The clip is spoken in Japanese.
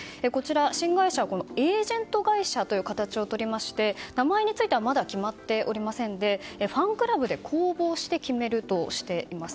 新会社はエージェント会社という形をとりまして名前についてはまだ決まっておりませんでファンクラブで公募をして決めるとしています。